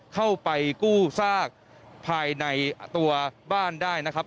เข้าไปกู้ซากภายในตัวบ้านได้นะครับ